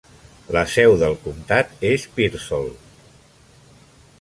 La seu del comtat és Pearsall.